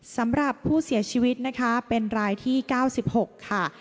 สำหรับผู้เสียชีวิตนะคะเป็นรายที่๙๖ค่ะ